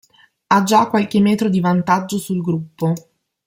Ha già qualche metro di vantaggio sul gruppo.